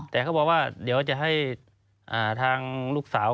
แต่เขาบอกว่าเดี๋ยวจะให้ทางลูกสาว